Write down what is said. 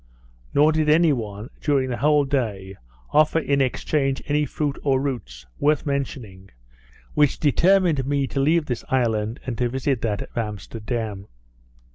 Nor did any one, during the whole day, offer in exchange any fruit, or roots, worth mentioning, which determined me to leave this island, and to visit that of Amsterdam.